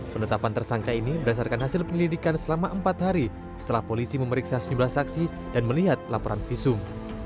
penetapan tersangka ini berdasarkan hasil penyelidikan selama empat hari setelah polisi memeriksa sejumlah saksi dan melihat laporan visum